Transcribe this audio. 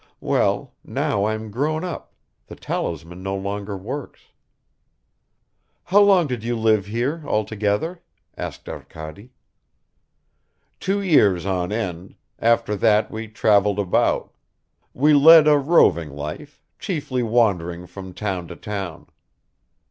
Well, now I'm grown up, the talisman no longer works." "How long did you live here altogether?" asked Arkady. "Two years on end; after that we traveled about. We led a roving life, chiefly wandering from town to town."